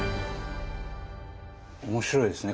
面白いですね。